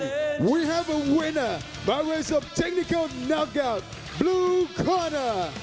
ตอนนี้มีผู้ถูกตัดของเทคนิกัลบลูกคอร์น่ะ